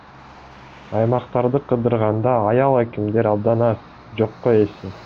Аймактарды кыдырганда аял акимдер абдан аз, жокко эсе.